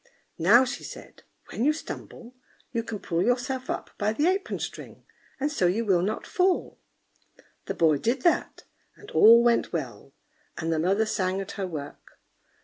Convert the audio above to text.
"Now," she said, "when you stumble, you can pull yourself up by the apron string, and so you will not fall." The boy did that, and all went well, and the mother sang at her work.